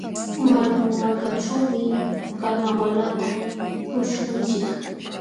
Marku malkaćhuumi karnawalta tuśhunchik.